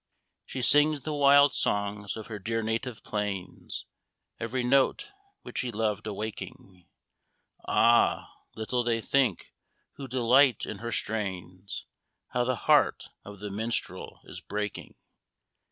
She sings the wild song of her dear native plains, Every note which he loved awaking Ah! little they think, who delight in her strains, How the heart of the minstrel is breaking!